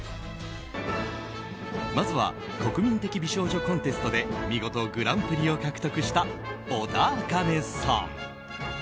まずは国民的美少女コンテストで見事グランプリを獲得した小田茜さん。